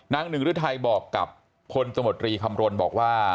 หนึ่งฤทัยบอกกับพลตมตรีคำรณบอกว่า